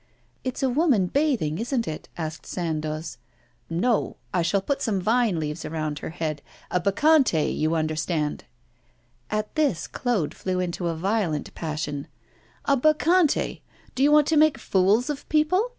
'It's a woman bathing, isn't it?' asked Sandoz. 'No; I shall put some vine leaves around her head. A Bacchante, you understand.' At this Claude flew into a violent passion. 'A Bacchante? Do you want to make fools of people?